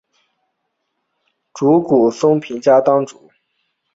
竹谷松平家当主。